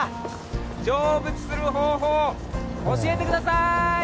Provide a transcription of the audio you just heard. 成仏する方法うん教えてください！